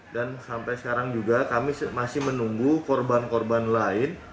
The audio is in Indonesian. dan sampai sekarang juga kami masih menunggu korban korban lain